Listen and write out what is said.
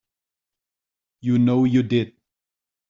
You know you did.